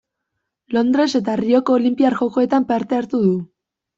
Londres eta Rioko Olinpiar Jokoetan parte hartu du.